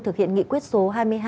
thực hiện nghị quyết số hai mươi hai